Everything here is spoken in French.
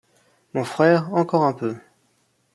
Mon frère, encore un peu!